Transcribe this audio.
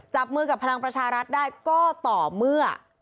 จับมือกับพลังประชารัฐได้ก็ต่อเมื่อ